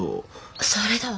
それだわ！